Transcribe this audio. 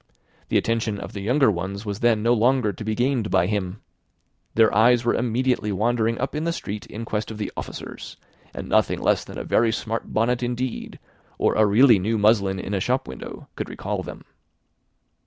The attention of the younger ones was then no longer to be gained by him. Their eyes were immediately wandering up the street in quest of the officers, and nothing less than a very smart bonnet, indeed, or a really new muslin in a shop window, could recall them.